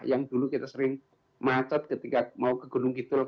yang dulu kita sering macet ketika mau ke gunung kidul